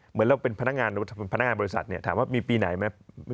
เหมือนเราเป็นพนักงานบริษัทถามว่ามีปีไหนไหม